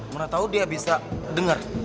mau nak tau dia bisa denger